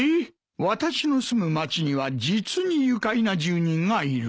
「私の住む町には実に愉快な住人がいる」